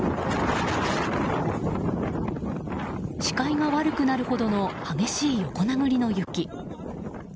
視界が悪くなるほどの激しい横殴りの雪。